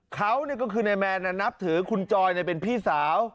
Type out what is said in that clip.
เขาเนี่ยก็คือในแมนเนี่ยนับถือคุณจอยเนี่ยเป็นพี่สาว